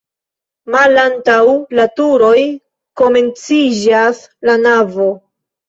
Malantaŭ la turoj komenciĝas la navo.